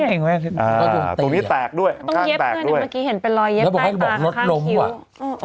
ต้องเย็บด้วยเมื่อกี้เห็นเป็นรอยเย็บใต้ตาข้างคิว